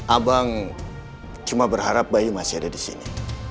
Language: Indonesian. abang cuma berharap bayi masih ada di sini